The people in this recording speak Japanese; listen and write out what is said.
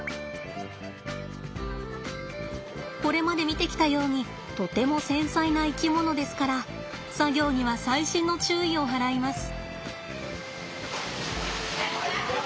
これまで見てきたようにとても繊細な生き物ですから作業には細心の注意を払います。